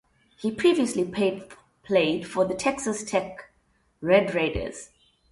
He previously played for the Texas Tech Red Raiders.